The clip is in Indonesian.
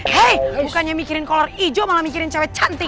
hei bukannya mikirin kolor hijau malah mikirin cewek cantik